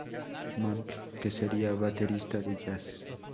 Monk, que sería baterista de "jazz".